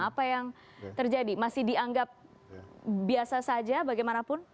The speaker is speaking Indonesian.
apa yang terjadi masih dianggap biasa saja bagaimanapun